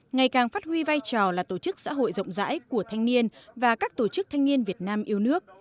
ngày càng phát huy vai trò là tổ chức xã hội rộng rãi của thanh niên và các tổ chức thanh niên việt nam yêu nước